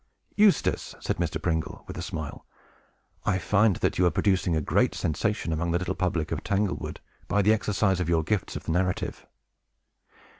"Eustace," said Mr. Pringle, with a smile, "I find that you are producing a great sensation among the little public of Tanglewood, by the exercise of your gifts of narrative.